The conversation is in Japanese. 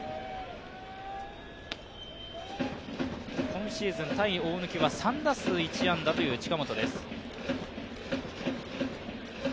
今シーズン、対大貫は３打数１安打という近本です。